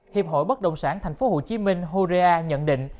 hiệp hội bất động sản tp hcm horea nhận định